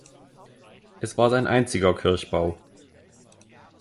Es war sein einziger Kirchbau.